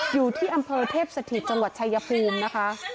อยู่ที่อำเภอเทพสถิตจังหวัดชายภูมินะคะ